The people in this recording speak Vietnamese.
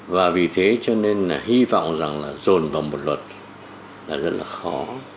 và vì thế cho nên hy vọng rằng là dồn vào một luật là rất là khó